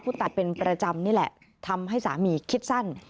ตัดเป็นประจำนี่แหละทำให้สามีคิดสั้น